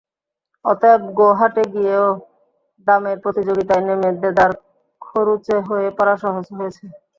অতএব গো-হাটে গিয়েও দামের প্রতিযোগিতায় নেমে দেদার খরুচে হয়ে পড়া সহজ হয়েছে।